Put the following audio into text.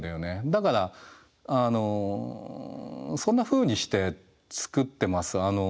だからそんなふうにして作ってます。